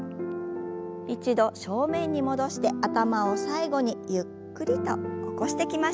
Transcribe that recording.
一度正面に戻して頭を最後にゆっくりと起こしてきましょう。